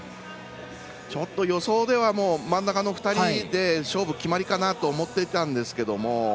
予想では真ん中の２人で勝負、決まりかなと思ってたんですけど。